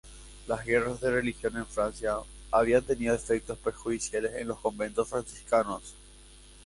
Las guerras de religión en Francia habían tenido efectos perjudiciales en los conventos franciscanos.